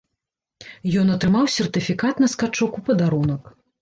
Ён атрымаў сертыфікат на скачок у падарунак.